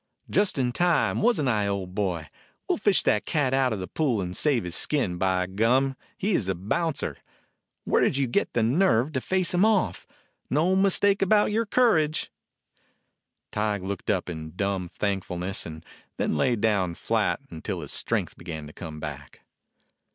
"Just in time, wasn't I, old boy? We'll fish that cat out of the pool and save his skin. By gum! he is a bouncer. Where did you get the nerve to face him off? No mistake about your courage!" 25 DOG HEROES OF MANY LANDS Tige looked up in dumb thankfulness, and then lay down flat until his strength began to come back.